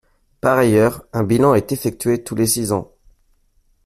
Par ailleurs, un bilan est effectué tous les six ans.